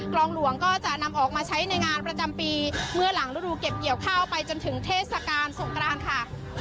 รองหลวงก็จะนำออกมาใช้ในงานประจำปีเมื่อหลังฤดูเก็บเกี่ยวข้าวไปจนถึงเทศกาลสงกรานค่ะ